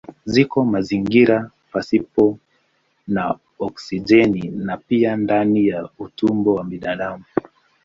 Ziko mazingira pasipo na oksijeni na pia ndani ya utumbo wa binadamu.